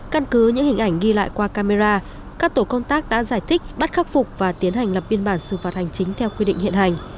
căn cứ những hình ảnh ghi lại qua camera các tổ công tác đã giải thích bắt khắc phục và tiến hành lập biên bản xử phạt hành chính theo quy định hiện hành